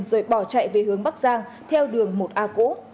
rồi bỏ chạy về hướng bắc giang theo đường một a cũ